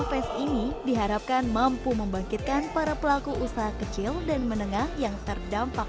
pes ini diharapkan mampu membangkitkan para pelaku usaha kecil dan menengah yang terdampak